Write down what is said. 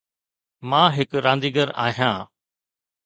مان ھڪ رانديگر آھيان.